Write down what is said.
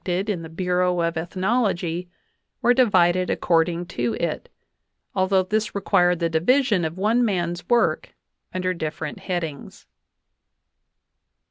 KV I'OUKU, DAVIS in the Bureau of Ethnology were divided according to it, although this required the division of one man's work under different headings.